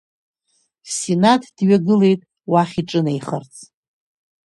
Синаҭ дҩагылеит уахь иҿынеихарц.